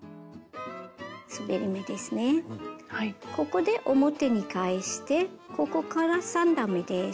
ここで表に返してここから３段めです。